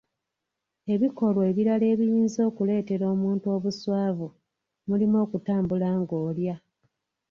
Ebikolwa ebirala ebiyinza okuleetera omuntu obuswavu mulimu okutambula ng'olya.